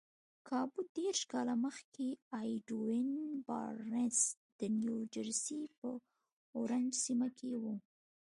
کابو دېرش کاله مخکې ايډوين بارنس د نيوجرسي په اورنج سيمه کې و.